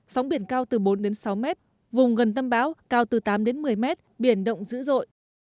sóng biển cao từ bốn đến sáu mét vùng gần tâm bão cao từ tám đến một mươi mét biển động dữ dội